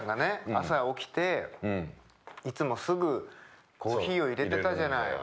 朝起きていつもすぐコーヒーをいれてたじゃない。